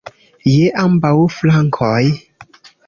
Je ambaŭ flankoj!